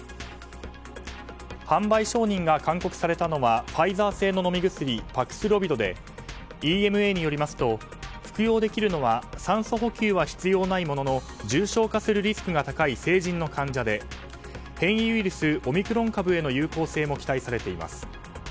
販売承認が勧告されたのはファイザー製の飲み薬パクスロビドでＥＭＡによりますと服用できるのは酸素補給は必要ないものの重症化リスクが高い成人の患者で変異ウイルスオミクロン株への有効性も期待されています。